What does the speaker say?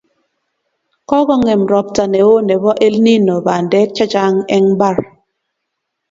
Kokongem ropta neo nebo elnino bandek chechang eng mbar